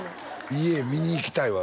家見にいきたいわ